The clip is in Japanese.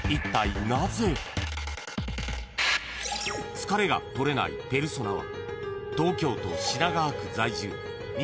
［疲れが取れないペルソナは］